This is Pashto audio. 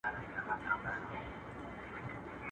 یو وصیت یې په حُجره کي وو لیکلی.